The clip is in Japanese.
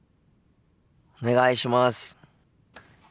お願いします。